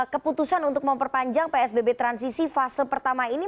keputusan untuk memperpanjang psbb transisi fase pertama ini